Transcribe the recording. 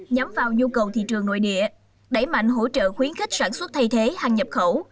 nhắm vào nhu cầu thị trường nội địa đẩy mạnh hỗ trợ khuyến khích sản xuất thay thế hàng nhập khẩu